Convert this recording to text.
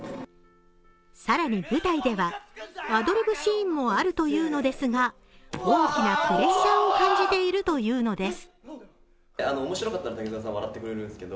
更に舞台ではアドリブシーンもあるというのですが、大きなプレッシャーを感じているというのです。